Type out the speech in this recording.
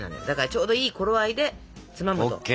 だからちょうどいい頃合いでつまむと。